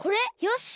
よし！